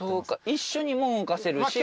一緒にも動かせるし。